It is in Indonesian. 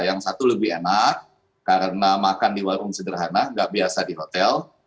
yang satu lebih enak karena makan di warung sederhana nggak biasa di hotel